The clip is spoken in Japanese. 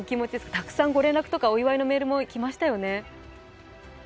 たくさんご連絡とかお祝いのメールも来ましたよね？